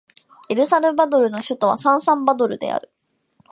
エルサルバドルの首都はサンサルバドルである